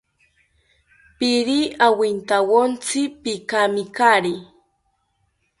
Piiri awintawontzi, pikamikari